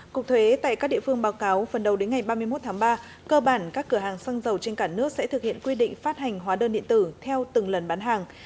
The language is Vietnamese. cục thuế tại các địa phương báo cáo phần đầu đến ngày ba mươi một tháng ba cơ bản các cửa hàng xăng dầu trên cả nước sẽ thực hiện quy định phát hành hóa đơn điện tử theo từng lần bán hàng